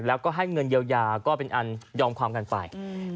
แล้วก็ให้เงินเยียวยาก็เป็นอันยอมความกันไป